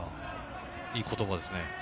いい言葉ですね。